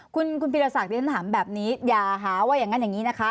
คุณพีรศักดิฉันถามแบบนี้อย่าหาว่าอย่างนั้นอย่างนี้นะคะ